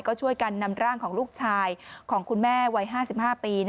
ก็ช่วยกันนำร่างของลูกชายของคุณแม่วัย๕๕ปี